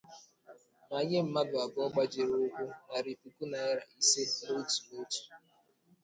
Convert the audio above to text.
ma nye mmadụ abụọ gbajiri ụkwụ narị puku naịra ise n'otu n'otu